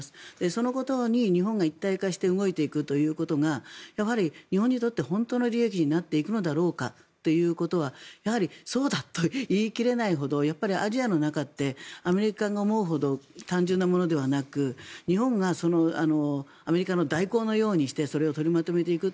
そのことに日本が一体化して動いていくということがやはり日本にとって本当の利益になっていくのかということはやはりそうだと言い切れないほどアジアの中ってアメリカが思うほど単純なものではなく日本がアメリカの代行のようにしてそれを取りまとめていく。